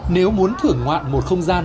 nếu muốn thưởng ngoạn một không gian